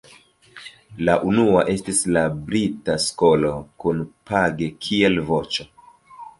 La unua estis la "brita skolo", kun Page kiel voĉo.